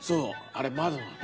あれ窓なの。